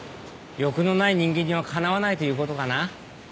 欲のない人間にはかなわないということかな。